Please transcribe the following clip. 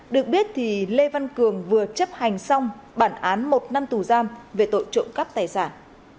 được biết thì lê văn cường vừa chấp hành xong bản án một năm tù giam về tội trộm cắp tài sản